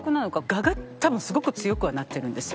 我が多分すごく強くはなってるんですよ。